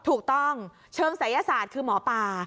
ถูกต้องเชิงศัยศาสตร์คือหมอปลา